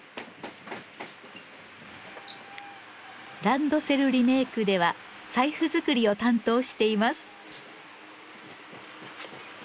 ランドセルリメークでは財布作りを担当しています。